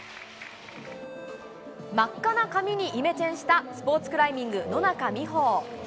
真っ赤な髪にイメチェンしたスポーツクライミング、野中生萌。